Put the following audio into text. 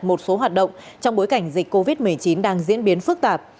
một số hoạt động trong bối cảnh dịch covid một mươi chín đang diễn biến phức tạp